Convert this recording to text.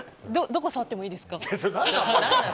どこ触ってもいいですか？